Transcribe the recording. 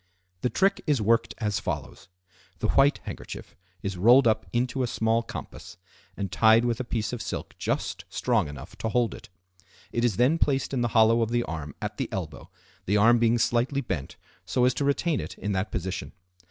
The trick is worked as follows:—The white handkerchief is rolled up into a small compass and tied with a piece of silk just strong enough to hold it. It is then placed in the hollow of the arm at the elbow, the arm being slightly bent so as to retain it in that position.